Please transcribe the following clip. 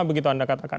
begitu anda katakan